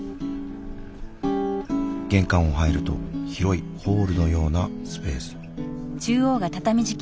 玄関を入ると広いホールのようなスペース。